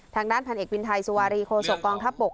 ทางด้านพันเอกวินไทยสุวารีโคศกองทัพบก